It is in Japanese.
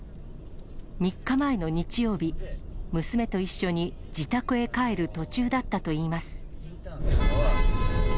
３日前の日曜日、娘と一緒に自宅へ帰る途中だったといいます。